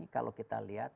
kalau kita lihat